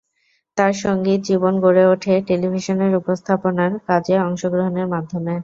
তার সঙ্গীত জীবন গড়ে উঠে টেলিভিশনের উপস্থাপনার কাজে অংশগ্রহণের মাধ্যমে।